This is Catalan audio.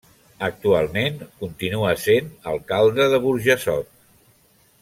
Actualment, continua sent alcalde de Burjassot.